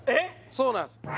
そうなんです